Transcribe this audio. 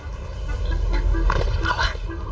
เอาป่ะ